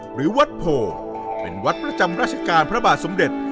หรือวัดโพเป็นวัดประจำราชการพระบาทสมเด็จ